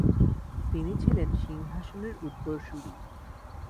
তিনি ছিলেন সিংহাসনের উত্তরসূরি।